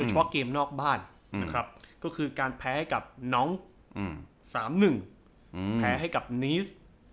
เฉพาะเกมนอกบ้านนะครับก็คือการแพ้ให้กับน้อง๓๑แพ้ให้กับนีส